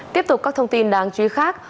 tiếp tục các thông tin đáng chú ý khác